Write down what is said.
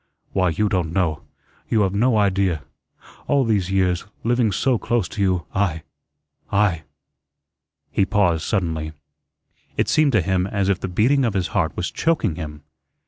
Why, you don't know you have no idea all these years living so close to you, I I " he paused suddenly. It seemed to him as if the beating of his heart was choking him.